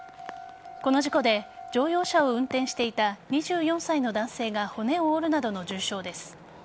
この事故で乗用車を運転していた２４歳の男性が骨を折るなどの重傷です。